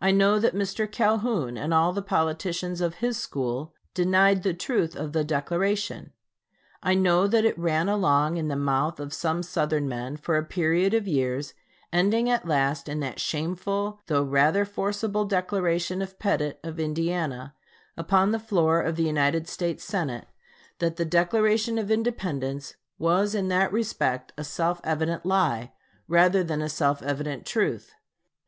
I know that Mr. Calhoun and all the politicians of his school denied the truth of the Declaration. I know that it ran along in the mouth of some Southern men for a period of years, ending at last in that shameful though rather forcible declaration of Pettit, of Indiana, upon the floor of the United States Senate, that the Declaration of Independence was in that respect "a self evident lie" rather than a self evident truth.